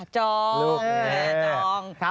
จอง